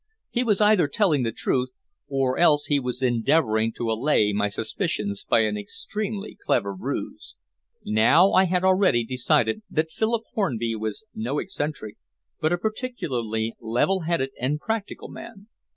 He was either telling the truth, or else he was endeavoring to allay my suspicions by an extremely clever ruse. Now I had already decided that Philip Hornby was no eccentric, but a particularly level headed and practical man.